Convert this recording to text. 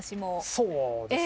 そうですね。